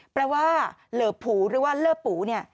แปลว่าเหลอผูหรือว่าเลอร์ปูเนี่ย